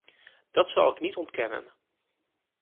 Dat zal ik niet ontkennen.